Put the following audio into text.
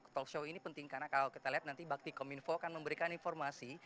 talk show ini penting karena kalau kita lihat nanti bakti kominfo akan memberikan informasi